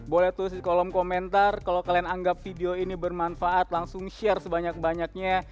boleh tuh kolom komentar kalau kalian anggap video ini bermanfaat langsung share sebanyak banyaknya